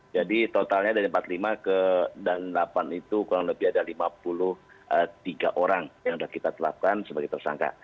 jadi totalnya dari empat puluh lima ke delapan itu kurang lebih ada lima puluh tiga orang yang sudah kita telapkan sebagai tersangka